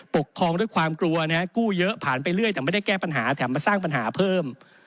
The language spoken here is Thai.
ปกครองด้วยความกลัวนะฮะกู้เยอะผ่านไปเรื่อยแต่ไม่ได้แก้ปัญหาแถมมาสร้างปัญหาเพิ่ม